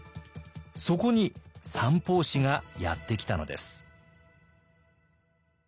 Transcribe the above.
そこに三法師がやってきたのです。